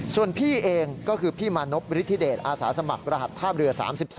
ส่วนพี่เองก็คือพี่มานพฤธิเดชอาสาสมัครรหัสท่าเรือ๓๒